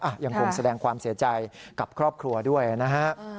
ยังคงแสดงความเสียใจกับครอบครัวด้วยนะฮะ